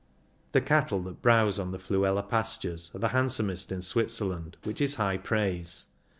The cattle that browse on the Fluela pastures are the handsomest in Switzerland, which is high praise.